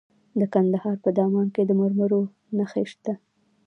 د کندهار په دامان کې د مرمرو نښې شته.